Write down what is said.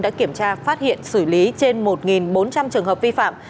đã kiểm tra phát hiện xử lý trên một bốn trăm linh trường hợp vi phạm